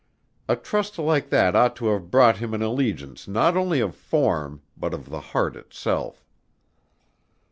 A trust like that ought to have brought him an allegiance not only of form but of the heart itself.